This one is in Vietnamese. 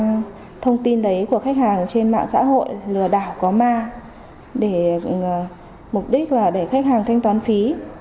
trang thông tin đấy của khách hàng trên mạng xã hội lừa đảo có ma để mục đích là để khách hàng thanh toán phí